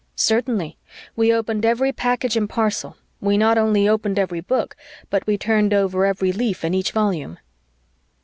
"Certainly; we opened every package and parcel; we not only opened every book, but we turned over every leaf in each volume...."